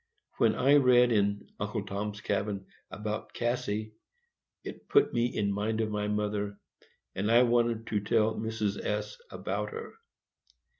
When I read in "Uncle Tom's Cabin" about Cassy, it put me in mind of my mother, and I wanted to tell Mrs. S—— about her.